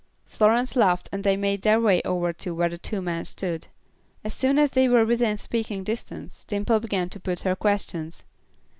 Florence laughed and they made their way over to where the two men stood. As soon as they were within speaking distance, Dimple began to put her questions.